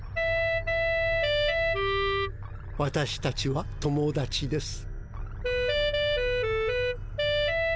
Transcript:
私たちは友だちです。